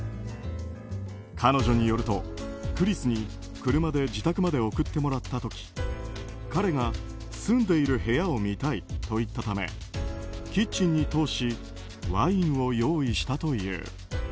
彼女によると、クリスに車で自宅まで送ってもらった時彼が住んでいる部屋を見たいと言ったためキッチンに通しワインを用意したという。